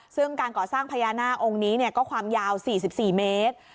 ซึ่งการก่อสร้างพญานาคองค์นี้ก็ความยาว๔๔เมตร